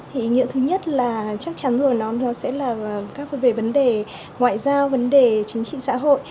thì ý nghĩa thứ nhất là chắc chắn rồi nó sẽ là về vấn đề ngoại giao vấn đề chính trị xã hội